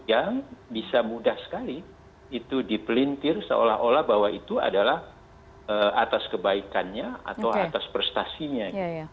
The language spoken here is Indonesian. yang bisa mudah sekali itu dipelintir seolah olah bahwa itu adalah atas kebaikannya atau atas prestasinya